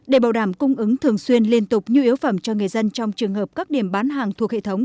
để bảo đảm cung ứng thường xuyên liên tục nhu yếu phẩm cho người dân trong trường hợp các điểm bán hàng thuộc hệ thống